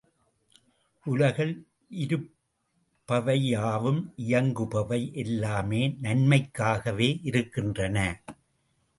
உலகில் இருப்பவையாவும், இயங்குபவை எல்லாமே நன்மைக்காகவே இருக்கின்றன.